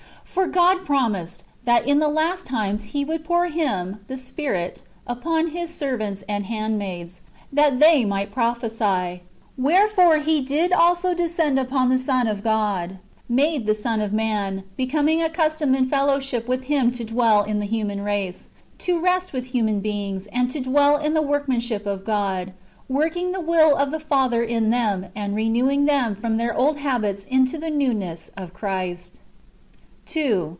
^ For [God] promised, that in the last times He i would pour Him [the Spirit] upon [His] servants and hand j maids, that they might prophesy ; wherefore He did also ; descend upon the Son of God, made the Son of man, becom i ing accustomed in fellowship with Him to dwell in the human ; race, to rest with human beings, and to dwell in the work j manship of God, working the will of the Father in them, j and renewing them from their old habits into the newness of ; Christ. i 2.